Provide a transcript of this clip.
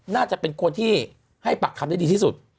น่าจะเป็นคนที่ให้ปากคำได้ดีที่สุด